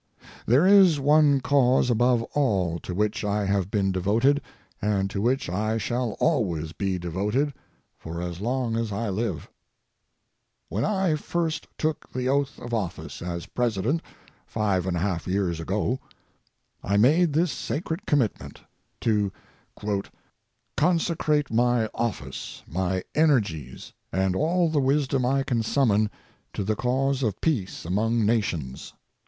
There is one cause above all to which I have been devoted and to which I shall always be devoted for as long as I live. When I first took the oath of office as President 5 1/2 years ago, I made this sacred commitment, to "consecrate my office, my energies, and all the wisdom I can summon to the cause of peace among nations."